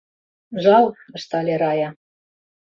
— Жал, — ыштале Рая.